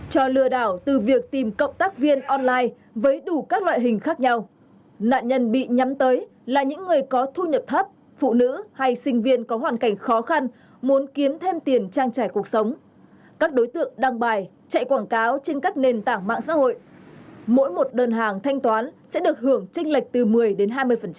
cho lừa đảo từ việc tìm cộng tác viên online với đủ các loại hình khác nhau nạn nhân bị nhắm tới là những người có thu nhập thấp phụ nữ hay sinh viên có hoàn cảnh khó khăn muốn kiếm thêm tiền trang trải cuộc sống các đối tượng đăng bài chạy quảng cáo trên các nền tảng mạng xã hội mỗi một đơn hàng thanh toán sẽ được hưởng tranh lệch từ một mươi đến hai mươi